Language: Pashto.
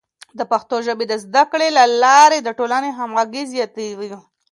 د پښتو ژبې د زده کړې له لارې د ټولنې همغږي زیاتوي.